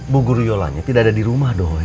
bu guru yolanya tidak ada di rumah dong